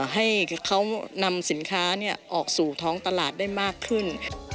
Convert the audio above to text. ให้เขานำสินค้าออกสู่ท้องตลาดได้มากขึ้น